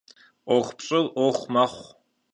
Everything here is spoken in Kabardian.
'uexu pş'ır 'uexu mexhu.